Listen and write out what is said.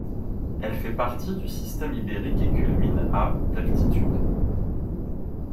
Elle fait partie du Système ibérique et culmine à d'altitude.